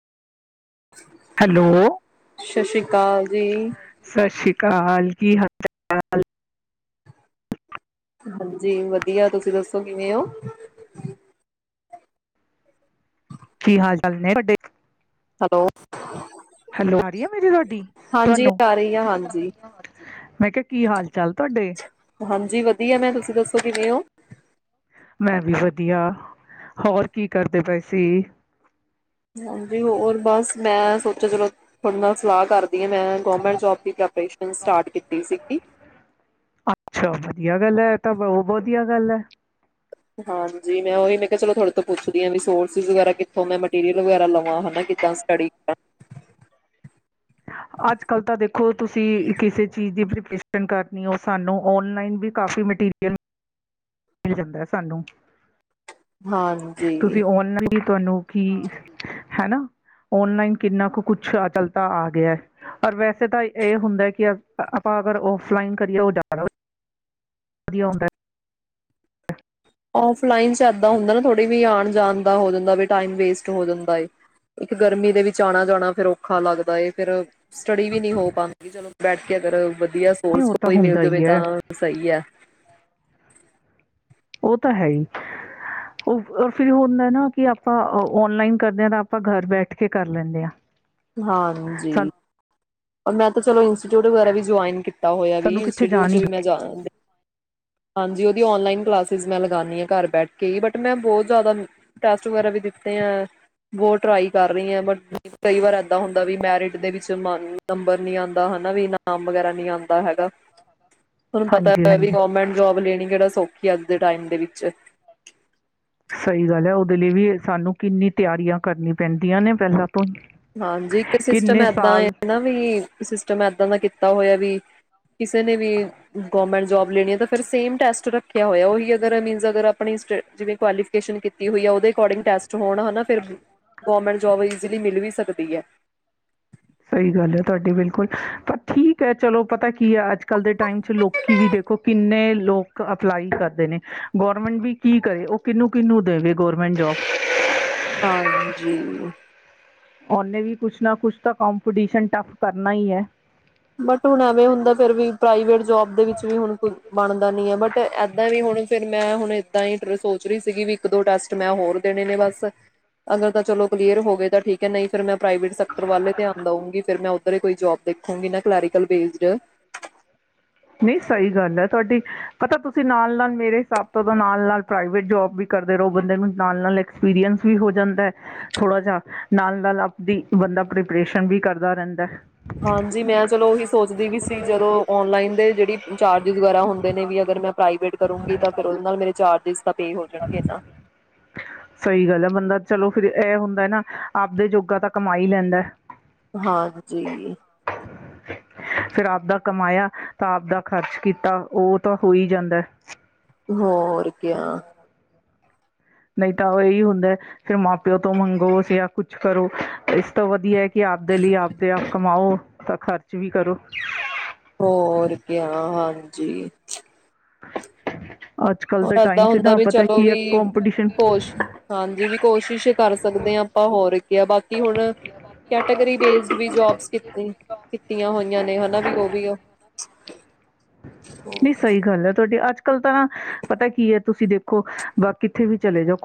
Hello ਸਤਿ ਸ੍ਰੀ ਅਕਾਲ ਜੀ ਸਤਿ ਸ੍ਰੀ ਅਕਾਲ ਕੀ ਹਲ ਚਾਲ ਹਾਂਜੀ ਵਧੀਆ ਤੁਸੀਂ ਦੱਸੋ ਕਿਵੇਂ ਕੀ ਹਾਲ ਚਾਲ ਨੇ ਤਾਡੇ ਹੈਲੋ ਰਹੀ ਹੈ ਮੇਰੀ ਤੁਹਾਡੀ ਹਾਂਜੀ ਤੁਹਾਨੂੰ ਆ ਰਹੀ ਆ ਹਾਂਜੀ ਮੈਂ ਕਿਹਾ ਕੀ ਹਾਲ ਚਾਲ ਤੁਹਾਡੇ ਹਾਂਜੀ ਵਧੀਆ ਮੈਂ ਤੁਸੀਂ ਦੱਸੋ ਕਿਵੇਂ ੳ ਮੈਂ ਵੀ ਵਧੀਆ ਹੋਰ ਕੀ ਕਰਦੇ ਪਏ ਸੀ। ਹਾਂਜੀ ਹੋਰ ਬਸ ਮੈਂ ਸੋਚਿਆ ਚਲੋ ਤੁਹਾਡੇ ਨਾਲ ਸਲਾਹ ਕਰ ਮੈਂ ਗੌਰਮੈਂਟ ਜੋਬ ਦੀ ਪ੍ਰਪਰੇਸ਼ਨ ਸਟਾਰਟ ਕੀਤੀ ਸੀਗੀ ਅੱਛਾ ਵਧੀਆ ਗੱਲ ਹੈ ਤਾਂ ਬੁਹਤ ਵਧੀਆ ਗੱਲ ਹੈ। ਹਾਂਜੀ ਮੈਂ ਉਹੀ ਮੈਂ ਕਿਹਾ ਚਲੋ ਤੁਹਾਡੇ ਤੋਂ ਪੁੱਛਦੀ ਹਾਂ ਕੀ ਬਸ ੳ ਵਗਰਾ ਕਿੱਥੋਂ ਮਟੀਰੀਅਲ ਵਗੈਰਾ ਲਵਾਂ ਹਨਾ, ਕਿੱਦਾਂ ਸਟੱਡੀ ਕਰ ਅੱਜ ਕੱਲ੍ਹ ਤਾਂ ਦੇਖੋ ਤੁਸੀਂ ਕਿਸੇ ਚੀਜ਼ ਦੀ ਪ੍ਰੀਪਰੇਸ਼ਨ ਕਰਨੀ ਹੋ ਸਾਨੂੰ ਔਨਲਾਈਨ ਵੀ ਕਾਫ਼ੀ ਮਟੀਰੀਅਲ ਮਿਲ ਜਾਂਦਾ ਹੈ ਸਾਨੂੰ ਹਾਂਜੀ ਤੁਸੀਂ ਔਨਲਾਈਨ ਵੀ ਤੁਹਾਨੂੰ ਕਿ ਹਨਾ ਓਨਲਾਈਨ ਕਿੰਨਾ ਕੁ ਕੁਛ ਅੱਜ ਕਲ ਤਾਂ ਆ ਗਿਆ ਹੈ ਰ ਵੈਸੇ ਤਾਂ ਇਹ ਹੁੰਦਾ ਕਿ ਆਪਾਂ ਅਗਰ ੳਫਲਾਈਨ ਕਰੀਏ ਉਹ ਜਾ ਵਧੀਆ ਹੁੰਦਾ ਏ ਔਫਲਾਇਨ ਚ ਦਾਂ ਹੁੰਦਾ ਨਾ, ਥੋੜ ਵੀ ਆ ਜਾਣ ਦਾ ਹੋ ਜਾਂਦਾ, ਟਮ ਵੇਸਟ ਹੋ ਜਾਂਦਾ ਹੈ, ਇੱਕ ਗਰਮੀ ਦੇ ਵਿੱਚ ਆਣਾ ਜਾਣਾ ਔਖਾ ਲੱਗਦਾ। ਫਿਰ ਸਟੱਡੀ ਵੀ ਨਹੀਂ ਹੋ ਪਾਬੰਦੀ, ਚਲੋ। ਬੈਠ ਕੇ ਅਗਰ ਵਧੀਆ ਨਹੀਂ ਸੋਰਸ ਉਹ ਤਾਂ ਕੋਈ ਮਿਲ ਹੁੰਦਾ ਜਾਵੇ, ਹੀ ਹੈ ਤਾਂ ਸਹੀ ਹੈ। ਉਹ ਤਾਂ ਹੈ ਹੀ, ਉਹ ਫਿਰ ਹੁੰਦਾ ਨਾ ਕਿ ਆਪਾਂ ਉਨਲਾਈਨ ਕਰਦੇ ਹਾਂ, ਤਾਂ ਆਪਾਂ ਘਰ ਬੈਠ ਕੇ ਕਰ ਲੈਂਦੇ ਹਾਂ। ਹਾਂਜੀ। ਸਾਨੂੰ ਮੈਂ ਚਲ ਇੰਸਟੀਟਿਊਟ ਵਗੈਰਾ ਵੀ ਜੁਆਇਨ ਕੀਤਾ। ਕੀਤਾ ਹੋਇਆ ਵੀ, ਸਾਨੂੰ ਕਿੱਥੇ ਇੰਸਟੀਟਿਊਟ ਚ ਜਾਣੀ ਵੀ ਮੈਂ ਜੋਇਨ ਹਾਂਜੀ ਉਹਦੀ ਓਨਲਾਈਨ ਕਲਾਸਿਸ ਮੈਂ ਲਾਂਦੀ ਆ ਘਰ ਬੈਠ ਕੇ, ਬਟ ਮੈਂ ਬਹਤ ਜਿਆਦਾ ਟੈਸਟ ਵਗੈਰਾ ਵੀ ਦਿਤੇ ਆ, ਬਹੁਤ ਟਰਾਈ ਕਰ ਰਹੀ ਆ, ਬਟ ਕਈ ਵਾਰ ਏਦਾਂ ਹੁੰਦਾ ਮੈਰਿਟ ਦੇ ਵਿਚ ਨੰਬਰ ਨਹੀਂ ਆਉਂਦੇ। ਹਨਾ ਵੀ ਨਾਮ ਵਗੈਰਾ ਨਹੀਂ ਆਉਂਦਾ ਹੈਗਾ, ਤੁਹਾਨੂੰ ਪਤਾ ਹਾਂਜੀ ਵੀ ਹਾਂਜੀ ਗੌਰਮੈਂਟ ਨਹੀਂ ਕਿਹੜਾ ਸੌਖੀ ਅੱਜ ਦੇ ਟਾਈਮ ਦੇ ਵਿੱਚ ਸਹੀ ਗੱਲ ਹੈ, ਉਹਦੇ ਲਈ ਵੀ ਸਾਨੂੰ ਕਿੰਨੀ ਤਿਆਰੀਆਂ ਕਰਨੀ ਪੈਂਦੀਆਂ ਨੇ ਪਹਿਲਾਂ। ਤੋਂ ਹੀ। ਹਾਂਜੀ, ਇੱਕ ਸਿਸਟਮ ਕਿੰਨੇ ਏਦਾਂ ਸਾਲ ਨਾ ਵੀ, ਸਿਸਟਮ ਏਦਾਂ ਦਾ ਕੀਤਾ ਹੋਇਆ ਵੀ ਕਿਸੇ ਨੇ ਵੀ ਗੌਰਮੈਂਟ ਜੋਬ ਲੇਣੀ ਆ, ਤਾਂ ਫਿਰ ਸੇਮ ਟੈਸਟ ਰੱਖਿਆ ਹੋਇਆ, ਉਹੀ ਅਗਰ ਮੀਨ ਅਗਰ ਆਪਣੀ ਜਿਵੇਂ, ਕੁਆਲੀਫਿਕੇਸ਼ਨ ਕੀਤੀ ਹੋਈ ਆ, ਉਹਦੇ ਅਕੋਰਡਿੰਗ ਟੈਸਟ ਤੇ ਹੋਣ ਹਨਾ ਫਿਰ। ਗੌਰਮੈਂਟ ਜੋਬ ਈਜੀਲੀ ਮਿਲ ਵੀ ਸਕਦੀ। ਸਕਦੀ ਹੈ। ਸਹੀ ਗੱਲ ਹੈ ਤੁਹਾਡੀ ਬਿਲਕੁਲ, ਪਰ ਠੀਕ ਹੈ ਚਲੋ ਪਤਾ ਕੀ ਹੈ, ਅੱਜ -ਕੱਲ ਦੇ ਟਾਈਮ ਚ ਲੋਕੀ ਵੀ ਦੇਖੋ ਕਿੰਨੇ ਲੋਕ ਅਪਲਾਈ ਕਰਦੇ ਨੇ, ਗੌਰਮੈਂਟ ਵੀ ਕੀ ਕਰੇ, ਉਹ ਕਿਹਨੂੰ ਕਿਹਨੂੰ ਦੇਵੇ ਗੌਰਮੈਂਟ ਜੋਬ। ਹਾਂਜੀ। ਉਹਨੇ ਵੀ ਕੁਛ ਨਾ ਕੁਛ ਤਾਂ ਕੋੰਪੀਟੀਸ਼ਨ ਟਫ ਕਰਨਾ ਹੀ ਹੈ। ਬਟ ਹੁਣ ਐਵੇਂ ਹੁੰਦਾ, ਫੇਰ ਵੀ ਪ੍ਰਾਈਵੇਟ ਜੋਬ ਦੇ ਵਿੱਚ ਵੀ ਹੁਣ ਕੁਛ ਬਣਦਾ ਨੀ ਐ, ਬਟ ਏਦਾਂ ਵੀ ਹੁਣ ਫਿਰ ਮੈਂ ਹੁਣ ਏਦਾਂ ਹੀ ਸੋਚ ਰਹੀ ਸੀਗੀ ਵੀ, ਇੱਕ ਦੋ ਟੈਸਟ ਮੈਂ ਹੋਰ ਦੇਣੇ ਨੇ ਬਸ, ਅਗਰ ਤਾਂ ਚਲੋ ਕਲੀਅਰ ਹੋ ਗਏ ਤਾਂ ਠੀਕ ਹੈ, ਨਹੀਂ ਫਿਰ ਮੈਂ ਪ੍ਰਾਈਵੇਟ ਸੈਕਟਰ ਵੱਲ ਹੀ ਧਿਆਨ ਦੇਊਗੀ, ਫਿਰ ਮੈਂ ਉੱਧਰ ਹੀ ਕੋਈ ਜੋਬ ਦੇਖੂਗੀ ਨਾ। Clerical based. ਨਹੀਂ ਸਹੀ ਗੱਲ ਹੈ। ਤੁਹਾਡੀ ਪਤਾ ਤੁਸੀਂ ਨਾਲ -ਨਾਲ ਮੇਰੇ ਹਿਸਾਬ ਤੋਂ ਨਾਲ- ਨਾਲ ਪ੍ਰਾਈਵੇਟ ਜੋਬ ਵੀ ਕਰਦੇ ਰਹੋ, ਬੰਦੇ ਨੂੰ ਨਾਲ -ਨਾਲ ਐਕਸਪੀਰੀਅਸ ਵੀ ਹੋ ਜਾਂਦਾ ਹੈ, ਥੋੜਾ ਜਿਹਾ ਨਾਲ -ਨਾਲ ਆਪਦੀ ਬੰਦਾ ਪ੍ਰੀਪਰੇਸ਼ਨ ਵੀ ਕਰਦਾ ਰਹਿੰਦਾ। ਹਾਂਜੀ, ਮੈਂ ਚਲੋ ਉਹੀ ਸੋਚਦੀ ਵੀ ਸੀ, ਜਦੋਂ ਔਨਲਾਈਨ ਦੇ ਜਿਹੜੀ ਚਾਰਜਿਸ ਵਗੈਰਾ ਹੁੰਦੇ ਨੇ ਵੀ, ਅਗਰ ਮੈਂ ਪ੍ਰਾਈਵੇਟ ਕਰੂੰਗੀ, ਤਾਂ ਫਿਰ ਉਹਦੇ ਨਾਲ ਮੇਰੇ ਚਾਰਜਿਸ ਤਾਂ ਪੇ ਹੋ ਜਾਣਗੇ ਨਾ। ਸਹੀ ਗੱਲ ਹੈ ਬੰਦਾ ਚਲੋ ਫਿਰ ਇਹ ਹੁੰਦਾ ਨਾ, ਆਪਦੇ ਜੋੋਗਾ ਤਾਂ ਕਮਾ ਹੀ ਲੈਂਦਾ। ਹਾਂਜੀ। ਫਿਰ ਆਪਦਾ ਕਮਾਇਆ, ਤਾਂ ਆਪਦਾ ਖ਼ਰਚ ਕੀਤਾ, ਉਹ ਤਾਂ ਹੋਈ ਜਾਂਦਾ। ਹੋਰ। [unintelligible] ਨਹੀਂ ਤਾਂ ਉਹ ਇਹੀ ਹੁੰਦਾ, ਫੇਰ ਮਾਂ ਪਿਉ ਤੋਂ ਮੰਗੋ ਜਾਂ ਕੁਛ ਕਰੋ, ਇਸ ਤੋਂ ਵਧੀਆ ਕਿ ਆਪਦੇ ਲਈ ਆਪਦੇ ਆਪ ਕਮਾਉ। ਤਾਂ ਖ਼ਰਚ ਵੀ ਕਰੋ ਹੋਰ ਕ ਹਾਂਜੀ [unintelligible] ਦੇ ਟਾਈਮ ਇਏਦਾਂ 'ਚ ਹੁੰਦਾ ਨਾ ਵੀ ਪਤਾ ਚਲੋ ਕੀ ਹੈ ਵੀ ਕੌਂਪੀਟੀਸ਼ਨ ਕੋਸ਼ ਹਾਂਜੀ ਵੀ ਕੋਸ਼ਿਸ਼ ਕਰ ਸਕਦੇ ਹ ਆਪਾਂ ਹੋਰ ਬਾਕੀ ਹੁਣ ਕੈਟਾਗਰੀ ਬੇਸਡ ਵੀ ਜੋਬ ਕਿਤੇ ਨਿਕਲਦੀਆਂ। ਕੀਤੀਆਂ ਹੋਈਆਂ ਨੇ ਹਨਾ ਵੀ ਉਹ ਵੀ ਆ ਨਹੀਂ ਸਹੀ ਗੱਲ ਹੈ ਤੁਹਾਡੀ ਅੱਜ ਕਲ ਤਾਂ ਨਾ ਪਤਾ ਕੀ ਹੈ ਤੁਸੀਂ ਦੇਖੋ ਬਾ ਕਿੱਥੇ ਵੀ ਚਲੇ ਜਾਓ